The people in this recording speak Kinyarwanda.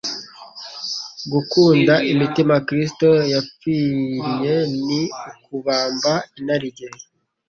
Gukunda imitima Kristo yapfinye, ni ukubamba inarijye.